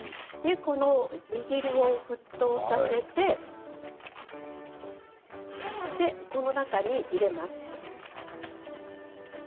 煮汁を沸騰させてこの中に入れます。